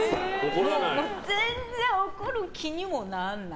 全然怒る気にもならない。